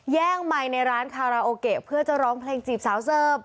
ไมค์ในร้านคาราโอเกะเพื่อจะร้องเพลงจีบสาวเสิร์ฟ